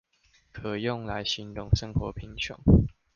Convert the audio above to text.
可用來形容生活貧窮？